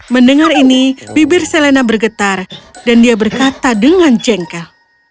mendengar ini bibir selena bergetar dan dia berkata dengan jengkel